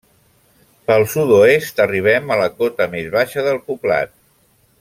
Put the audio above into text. Pel sud-oest arribem a la cota més baixa del poblat.